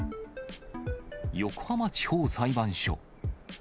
横浜地方裁判所。